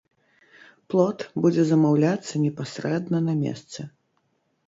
Плот будзе замаўляцца непасрэдна на месцы.